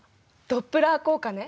ドップラー効果ね。